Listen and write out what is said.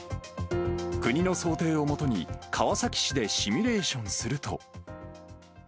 国の想定をもとに、川崎市でシミュレーションすると。